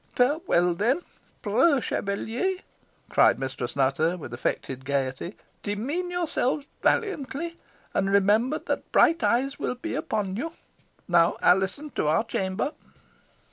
"Farewell, then, preux chevaliers" cried Mistress Nutter, with affected gaiety; "demean yourselves valiantly, and remember that bright eyes will be upon you. Now, Alizon, to our chamber."